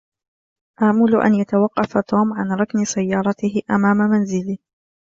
آمل أن يتوقف توم عن ركن سيارته أمام منزلي.